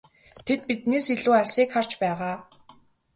Тэд биднээс илүү алсыг харж байгаа.